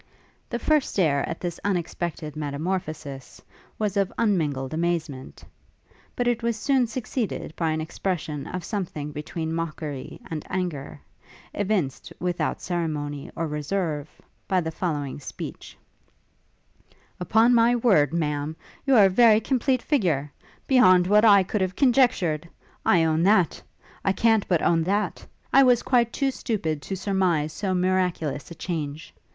The first stare at this unexpected metamorphosis, was of unmingled amazement; but it was soon succeeded by an expression of something between mockery and anger, evinced, without ceremony or reserve, by the following speech: 'Upon my word, Ma'am, you are a very complete figure! Beyond what I could have conjectured! I own that! I can't but own that. I was quite too stupid to surmize so miraculous a change.